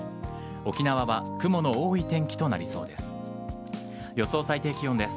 沖縄は雲の多い天気となりそうです。